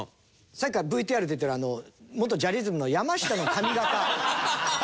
さっきからＶＴＲ出てる元ジャリズムの山下の髪形。